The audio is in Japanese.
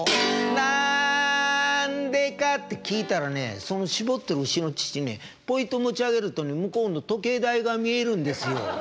「なんでか」って聞いたらね「その搾ってる牛の乳ねポイと持ち上げると向こうの時計台が見えるんですよ」。